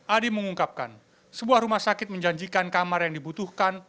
adi mengungkapkan sebuah rumah sakit menjanjikan kamar yang dibutuhkan